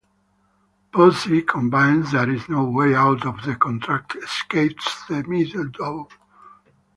Pozzi, convinced there is no way out of the contract, escapes the meadow.